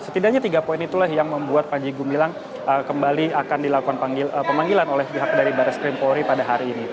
setidaknya tiga poin itulah yang membuat panji gumilang kembali akan dilakukan pemanggilan oleh pihak dari barat skrim polri pada hari ini